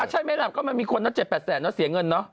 ใช่ไหมล่ะก็มันมีคนนะ๗๘แสนเนอะเสียเงินเนอะ